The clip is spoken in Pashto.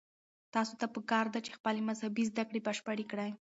تاسو ته پکار ده چې خپلې مذهبي زده کړې بشپړې کړئ.